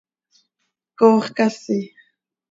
¡Coox casi!